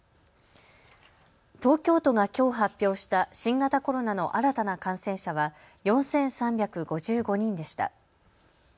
東京都がきょう発表した新型コロナの新たな感染者は４３５５人でした。